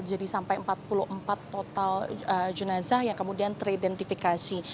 jadi sampai empat puluh empat total jenasa yang kemudian teridentifikasi